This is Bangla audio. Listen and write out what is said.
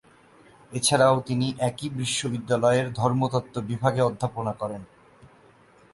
এছাড়াও তিনি একই বিশ্ববিদ্যালয়ের ধর্মতত্ত্ব বিভাগে অধ্যাপনা করেন।